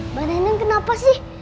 mbak neneng kenapa sih